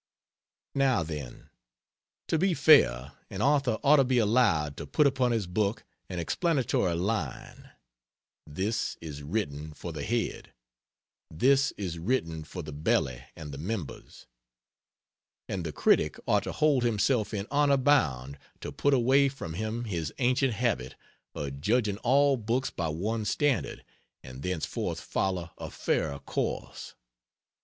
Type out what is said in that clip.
Now, then, to be fair, an author ought to be allowed to put upon his book an explanatory line: "This is written for the Head;" "This is written for the Belly and the Members." And the critic ought to hold himself in honor bound to put away from him his ancient habit of judging all books by one standard, and thenceforth follow a fairer course.